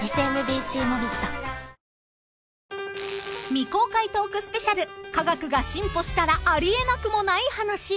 ［未公開トークスペシャル科学が進歩したらあり得なくもない話］